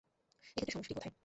এ ক্ষেত্রে সমস্যাটি কোথায়?